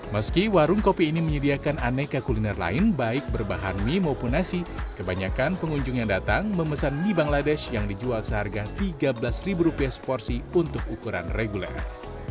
meski warung kopi ini menyediakan aneka kuliner lain baik berbahan mie maupun nasi kebanyakan pengunjung yang datang memesan mie bangladesh yang dijual seharga tiga belas rupiah seporsi untuk ukuran reguler